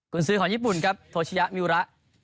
คุณซื้อของญี่ปุ่นครับโทชิยะมิวระ